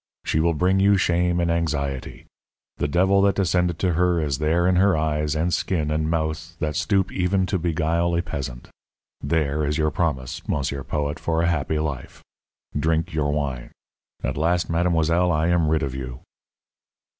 She will bring you shame and anxiety. The devil that descended to her is there in her eyes and skin and mouth that stoop even to beguile a peasant. There is your promise, monsieur poet, for a happy life. Drink your wine. At last, mademoiselle, I am rid of you."